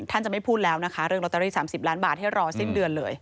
ท่านจะไม่พูดแล้วเรื่องรตรี๓๐ล้านบาทให้รอสิ้นเดือนเลย